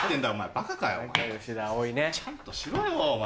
バカかよちゃんとしろよお前。